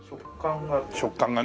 食感が？